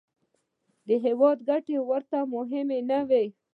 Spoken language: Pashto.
د هېواد ګټې ورته مهمې نه وې.